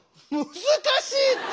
難しいって！